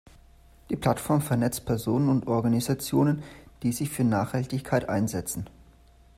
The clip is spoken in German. Die Plattform vernetzt Personen und Organisationen, die sich für Nachhaltigkeit einsetzen.